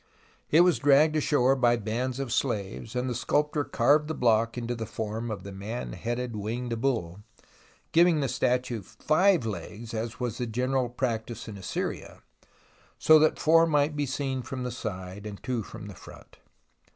It was dragged ashore by bands of slaves, and the sculptor carved the block into the form of the man headed winged bull, giving the statue five legs, as was the general practice in Assyria, so that four might be seen from the side and two from the front.